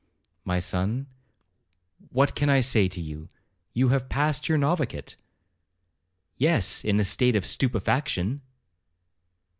'My son, what can I say to you—you have passed your noviciate.' 'Yes, in a state of stupefaction.'